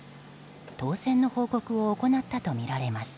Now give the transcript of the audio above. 当選の報告を行ったとみられます。